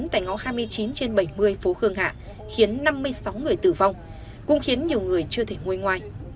tại ngõ hai mươi chín trên bảy mươi phố khương hạ khiến năm mươi sáu người tử vong cũng khiến nhiều người chưa thể ngôi ngoài